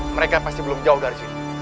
mereka pasti belum jauh dari sini